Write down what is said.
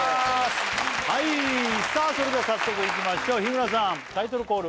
はいさあそれでは早速いきましょう日村さんタイトルコール